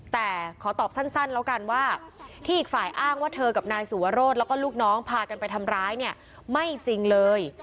แต่ขอตอบสั้นแล้วกันว่าที่อีกฝ่ายอ้างว่าเธอกับนายสุวรสแล้วก็ลูกน้องพากันไปทำร้ายเนี่ยไม่จริงเลย